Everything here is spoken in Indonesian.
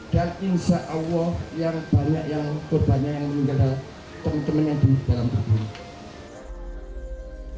dan insya allah yang banyak yang korbannya yang meninggal teman teman yang diberusuh